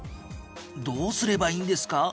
どうすればいいんですか？